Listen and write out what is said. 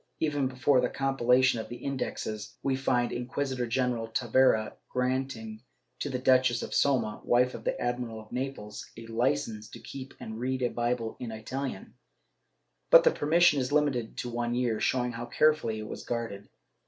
Even before the compilation of the Indexes, we find Inquisitor general Tavera granting to the Duchess of Soma, wife of the Admiral of Naples, a licence to keep and read a Bible in ItaHan, but the permission is limited to one year, showing how carefully it was guarded.